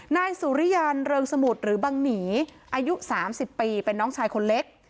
นายสุริยันเริงสมุทรหรือบังหนีอายุ๓๐ปีเป็นน้องชายคนเล็ก